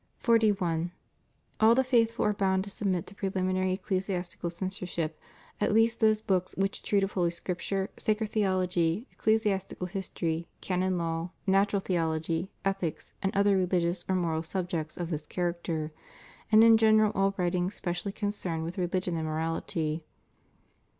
41. All the faithful are bound to submit to preliminary ecclesiastical censorship at least those books which treat of Holy Scripture, sacred theology, ecclesiastical history, canon law, natural theology, ethics, and other religious or moral subjects of this character; and in general all writings specially concerned with religion and morality.